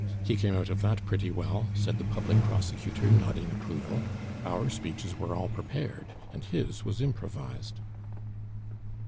"He came out of that pretty well!" said the public prosecutor, nodding approval; "our speeches were all prepared, and his was improvised."